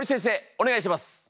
お願いします。